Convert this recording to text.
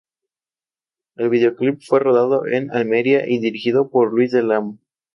Su dogma se reduce a la salvaguarda de información escrita.